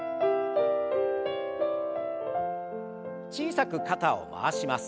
小さく肩を回します。